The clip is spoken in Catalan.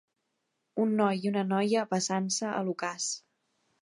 Un noi i una noia besant-se a l'ocàs.